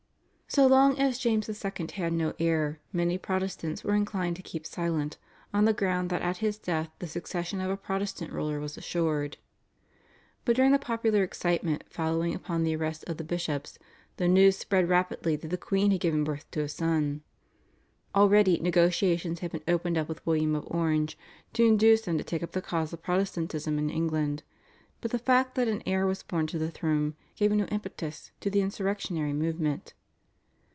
So long as James II. had no heir many Protestants were inclined to keep silent on the ground that at his death the succession of a Protestant ruler was assured. But during the popular excitement following upon the arrest of the bishops the news spread rapidly that the queen had given birth to a son. Already negotiations had been opened up with William of Orange to induce him to take up the cause of Protestantism in England, but the fact that an heir was born to the throne gave a new impetus to the insurrectionary movement.